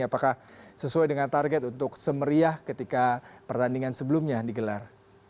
apakah sesuai dengan target untuk semeriah ketika pertandingan sebelumnya digelar